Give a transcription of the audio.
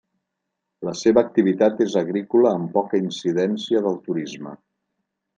La seva activitat és agrícola amb poca incidència del turisme.